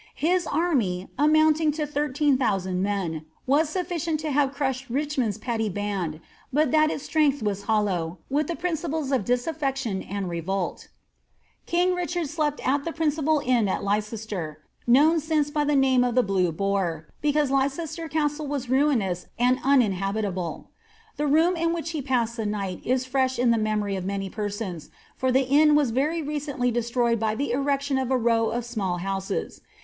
His army, amounting to thirteen thousand men, was sufficient to have crushed Richmond's petty band, but that its strength was hollow, with the principles of disafieo tion and revolt King Richard slept at the principal inn at Leicester, known since by the name of the Blue Boar, because Leicester Castle was ruinous and uninhabitable. The room in which he passed the night is fresh in the memory of many persons, for the inn was very recently destroyed for the erection of a row of small houses.